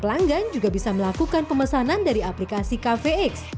pelanggan juga bisa melakukan pemesanan dari aplikasi cafe x